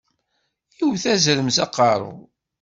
Iwwet azrem s aqeṛṛu.